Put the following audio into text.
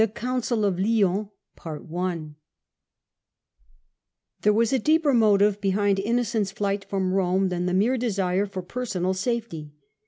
COUNCIL OF LYONS f "^HERE had been a deeper motive behind Inno cent's flight from Rome than the mere desire M for personal safety.